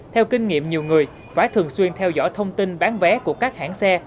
theo kinh nghiệm nhiều người phải thường xuyên theo dõi thông tin bán vé của các hãng xe